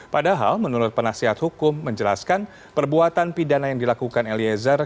padahal menurut penasihat hukum menjelaskan perbuatan pidana yang dilakukan eliezer